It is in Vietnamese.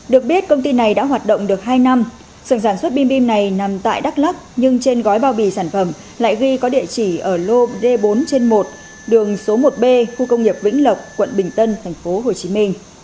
được biết công ty này đã hoạt động được hai năm sưởng sản xuất bim bim này nằm tại đắk lắc nhưng trên gói bao bì sản phẩm lại ghi có địa chỉ ở lô d bốn trên một đường số một b khu công nghiệp vĩnh lộc quận bình tân tp hcm